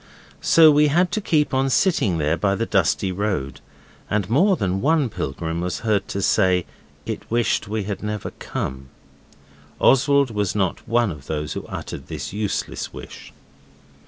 So we had to keep on sitting there by the dusty road, and more than one pilgrim was heard to say it wished we had never come. Oswald was not one of those who uttered this useless wish.